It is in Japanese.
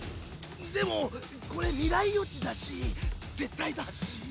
でもこれ未来予知だし絶対だし。